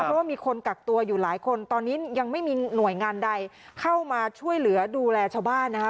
เพราะว่ามีคนกักตัวอยู่หลายคนตอนนี้ยังไม่มีหน่วยงานใดเข้ามาช่วยเหลือดูแลชาวบ้านนะคะ